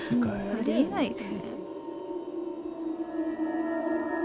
あり得ないよね。